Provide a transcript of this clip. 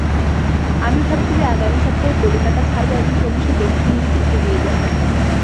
আমি ভাবছি যে, আগামী সপ্তাহে কলিকাতা ছাড়ব এবং ক্রমশ দক্ষিণদিকে এগিয়ে যাব।